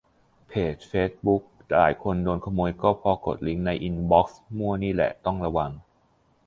เพจเฟซบุ๊กหลายคนโดนขโมยก็เพราะกดลิงก์ในอินบอกซ์มั่วนี่แหละ ต้องระวัง